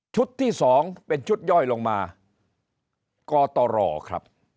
ชุดที่สองเป็นชุดย่อยลงมากตชครับ